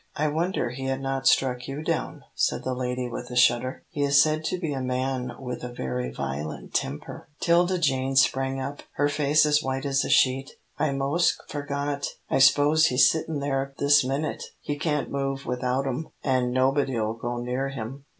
"I wonder he had not struck you down," said the lady, with a shudder. "He is said to be a man with a very violent temper." 'Tilda Jane sprang up, her face as white as a sheet. "I mos' forgot. I s'pose he's sittin' there this minute. He can't move without 'em, an' nobody'll go near him.